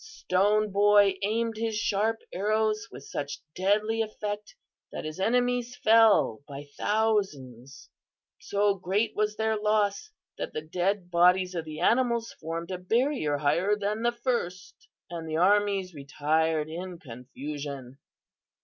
Stone Boy aimed his sharp arrows with such deadly effect that his enemies fell by thousands. So great was their loss that the dead bodies of the animals formed a barrier higher than the first, and the armies retired in confusion.